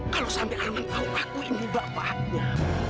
kalau sampai arman tahu aku ini bapaknya